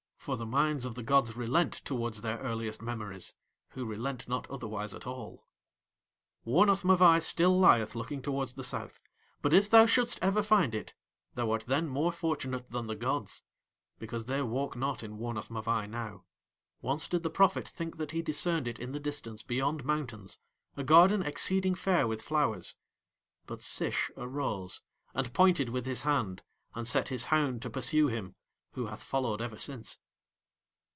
For the minds of the gods relent towards their earliest memories, who relent not otherwise at all. Wornath Mavai still lieth looking towards the south; but if thou shouldst ever find it thou art then more fortunate than the gods, because they walk not in Wornath Mavai now. Once did the prophet think that he discerned it in the distance beyond mountains, a garden exceeding fair with flowers; but Sish arose, and pointed with his hand, and set his hound to pursue him, who hath followed ever since.